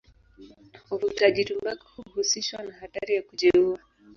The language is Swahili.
Uvutaji tumbaku huhusishwa na hatari ya kujiua.